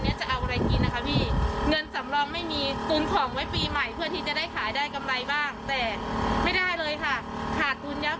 ไม่แนะนำเราโดยตรงก็ให้เทศวาหนำบากประกาศบอกว่าเราจะไปทำอะไรได้บ้าง